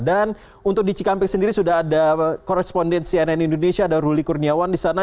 dan untuk di cikampek sendiri sudah ada koresponden cnn indonesia ada ruli kurniawan di sana